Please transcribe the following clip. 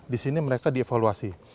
disini mereka dievaluasi